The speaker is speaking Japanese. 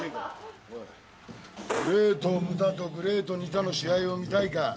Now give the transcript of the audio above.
グレート・ムタとグレート・ニタの試合を見たいか。